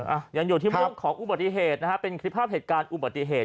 อ่ะยังอยู่ที่เรื่องของอุบัติเหตุนะฮะเป็นคลิปภาพเหตุการณ์อุบัติเหตุ